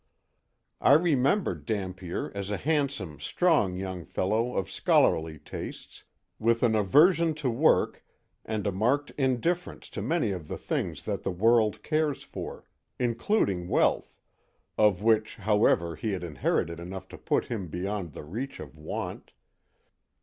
I remembered Dampier as a handsome, strong young fellow of scholarly tastes, with an aversion to work and a marked indifference to many of the things that the world cares for, including wealth, of which, however, he had inherited enough to put him beyond the reach of want.